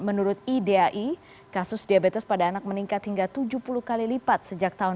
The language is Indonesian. menurut idai kasus diabetes pada anak meningkat hingga tujuh puluh kali lipat sejak tahun dua ribu